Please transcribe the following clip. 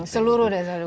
seluruh desa wurno